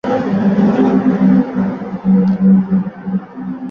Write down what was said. Mirzaxo‘jaboyni bevasi jonsarak-jonsarak boqdi.